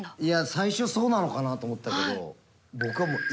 最初そうなのかなと思ったけどえ！